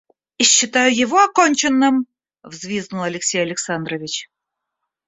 И считаю его оконченным, — взвизгнул Алексей Александрович.